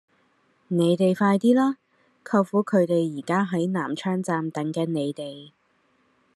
你哋快啲啦!舅父佢哋而家喺南昌站等緊你哋